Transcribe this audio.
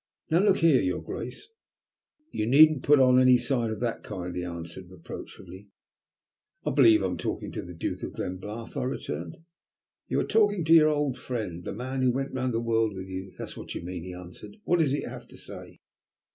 Now look here, your Grace " "You needn't put on any side of that kind," he answered reproachfully. "I believe I am talking to the Duke of Glenbarth," I returned. "You are talking to your old friend, the man who went round the world with you, if that's what you mean," he answered. "What is it you have to say?"